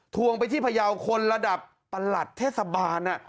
วงไปที่พยาวคนระดับประหลัดเทศบาล